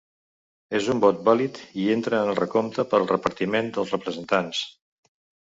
És un vot vàlid i entra en el recompte per al repartiment de representants.